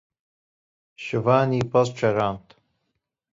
Şivanî pez çerand.